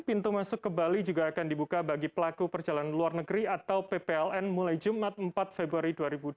pintu masuk ke bali juga akan dibuka bagi pelaku perjalanan luar negeri atau ppln mulai jumat empat februari dua ribu dua puluh